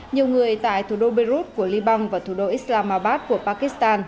nhiều người tại thủ đô beirut của liban và thủ đô islamabad của pakistan